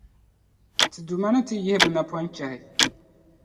ti Duuma ni ti yihi bɛ napɔnchahi.